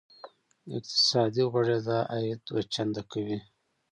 اقتصادي غوړېدا عاید دوه چنده کوي.